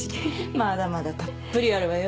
まだまだたっぷりあるわよ。